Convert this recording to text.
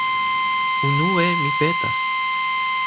Unue, mi petas...